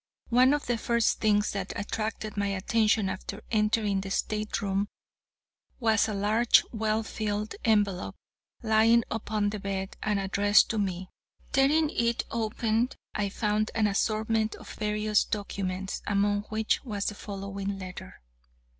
One of the first things that attracted my attention after entering the state room, was a large, well filled envelope, lying upon the bed, and addressed to me. Tearing it open, I found an assortment of various documents, among which was the following letter.'"